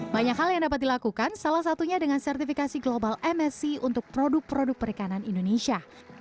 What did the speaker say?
banyak hal yang dapat dilakukan salah satunya dengan sertifikasi global msc untuk produk produk perikanan indonesia